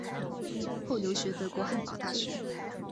后留学德国汉堡大学。